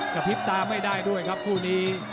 กระพริบตาไม่ได้ด้วยครับคู่นี้